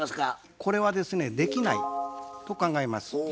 これはですねできないと考えます。